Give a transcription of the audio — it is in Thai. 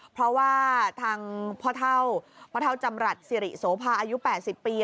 เพราะว่าทางพ่อเถ้าเจมรัฐสิริโสภาอายุ๘๐ปี